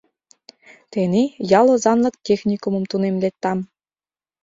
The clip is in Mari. — «Тений ял озанлык техникумым тунем лектам.